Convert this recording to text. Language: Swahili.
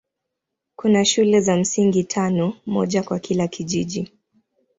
Kuna shule za msingi tano, moja kwa kila kijiji.